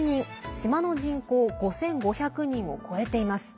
島の人口５５００人を超えています。